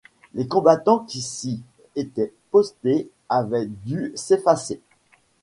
Les combattants qui s’y étaient postés avaient dû s’effacer.